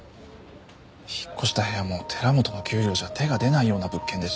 引っ越した部屋も寺本の給料じゃ手が出ないような物件でしたし。